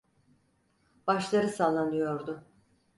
Başları sallanıyordu.